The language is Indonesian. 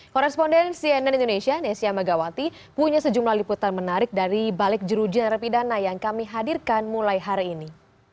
koresponden cnn indonesia nesya megawati punya sejumlah liputan menarik dari balik jeruji narapidana yang kami hadirkan mulai hari ini